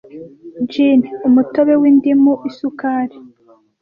Gin - umutobe windimu - Isukari -